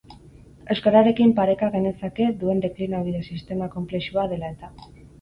Euskararekin pareka genezake, duen deklinabide-sistema konplexua dela eta.